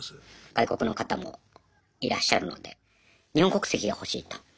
外国の方もいらっしゃるので日本国籍が欲しいと。